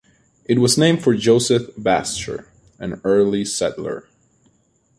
It was named for Joseph Baschor, an early settler.